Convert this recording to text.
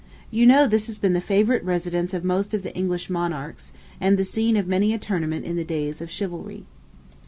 You know this has been the favorite residence of most of the English monarchs, and the scene of many a tournament in the days of chivalry.